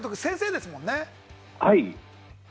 はい。